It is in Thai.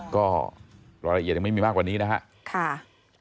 ก็รายละเอียดยังไม่มีมากกว่านี้นะครับ